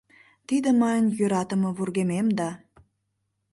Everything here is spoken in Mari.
Тиде мыйын йӧратыме вургемем да.